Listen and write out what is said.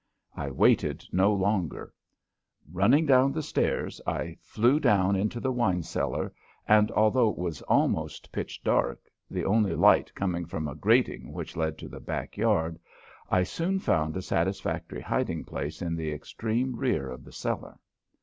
I waited no longer. Running down the stairs, I flew down into the wine cellar, and although it was almost pitch dark the only light coming from a grating which led to the backyard I soon found a satisfactory hiding place in the extreme rear of the cellar.